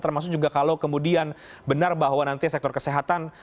termasuk juga kalau kemudian benar bahwa nanti sektor kesehatan